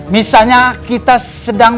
misalnya kita sedang